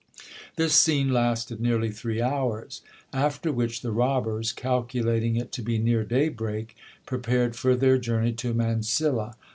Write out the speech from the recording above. This scene lasted nearly three hours. After which the robbers, calculating it to be near day break, prepared for their journey to Mansilla.